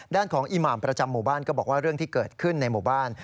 ด้านของอีหมามประจำหมู่บ้านก็บอกว่าเรื่องที่เกิดขึ้นในหมู่บ้าน